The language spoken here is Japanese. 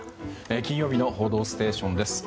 金曜日の「報道ステーション」です。